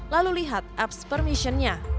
lalu lihat apps permission nya